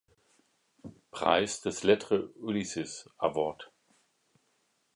Preis des "Lettre Ulysses Award.